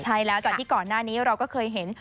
ใช่แล้วจากที่ก่อนหน้านี้เราก็เคยเห็น